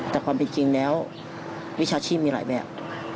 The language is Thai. แต่ความเป็นจริงแล้ววิชาชีพมีหลายแบบ